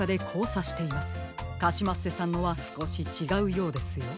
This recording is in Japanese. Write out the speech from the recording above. カシマッセさんのはすこしちがうようですよ。